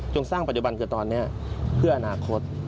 สร้างปัจจุบันคือตอนนี้เพื่ออนาคต